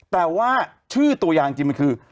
แต่ว่าชื่อตัวอย่างจริงมันคือ